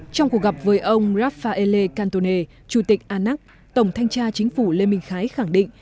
trong cuộc gặp với ông rafaele cantone chủ tịch anac tổng thanh tra chính phủ lê minh khái khẳng định